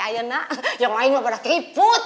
ayo nak yang lain mah pada keriput